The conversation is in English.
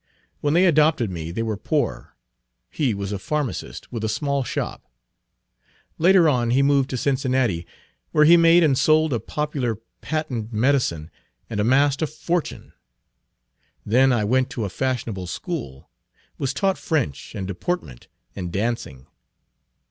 When they adopted me they were poor; he was a pharmacist with a small shop. Later on he moved to Cincinnati, where he made and sold a popular'patent' medicine and amassed a fortune. Then I went to a fashionable school, was taught French, and deportment, and dancing.